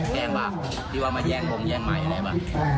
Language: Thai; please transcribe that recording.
แก้งปะที่ว่ามาแย่งบริเวณแย่งไมค์อะไรอีกปะ